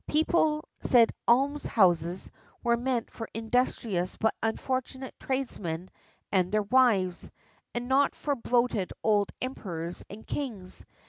People said almshouses were meant for industrious but unfortunate tradesmen and their wives, and not for bloated old emperors and kings.